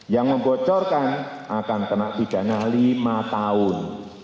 yang membocorkan akan kena pidana lima tahun